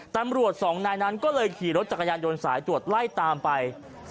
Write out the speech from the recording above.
ตำรวจสองนายนั้นก็เลยขี่รถจักรยานยนต์สายตรวจไล่ตามไป